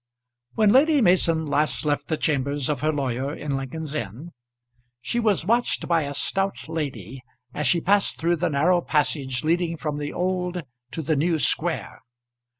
When Lady Mason last left the chambers of her lawyer in Lincoln's Inn, she was watched by a stout lady as she passed through the narrow passage leading from the Old to the New Square.